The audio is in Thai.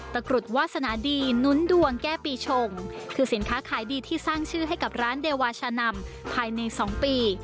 กรุดวาสนาดีนุ้นดวงแก้ปีชงคือสินค้าขายดีที่สร้างชื่อให้กับร้านเดวาชานำภายใน๒ปี